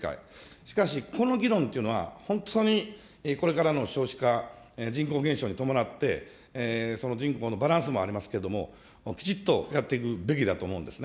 しかし、この議論というのは、本当にこれからの少子化、人口減少に伴って、その人口のバランスもありますけれども、きちっとやっていくべきだと思うんですね。